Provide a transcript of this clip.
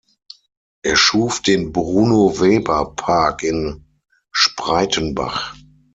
Er schuf den Bruno Weber Park in Spreitenbach.